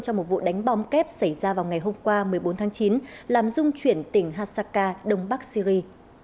trong một vụ đánh bom kép xảy ra vào ngày hôm qua một mươi bốn tháng chín làm dung chuyển tỉnh hasaka đông bắc syri